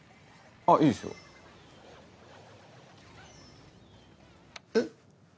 あっいいですよ。えっ？